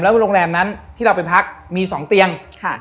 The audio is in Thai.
โรงแรมนั้นที่เราไปพักมี๒เตียง